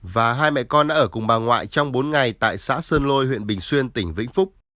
và hai mẹ con đã ở cùng bà ngoại trong bốn ngày tại xã sơn lôi huyện bình xuyên tỉnh vĩnh phúc